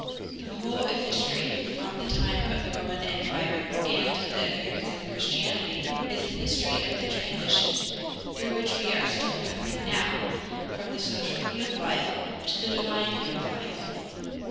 The whole of history from the time of the Roman Empire and the appearance of Christianity is the history of the transition, through which we are still passing now, from the social view of life to the divine view of life.